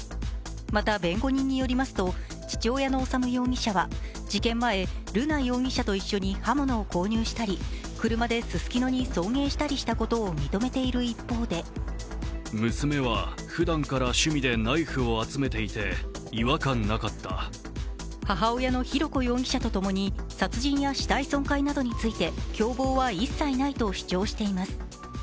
また、弁護人によりますと父親の修容疑者は事件前、瑠奈容疑者と一緒に刃物を購入したり、車でススキノへ送迎したことを認めている一方で母親の浩子容疑者とともに殺人や死体損壊などについて共謀は一切ないと主張しています。